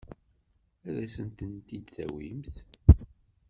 Ad asen-tent-id-tawimt?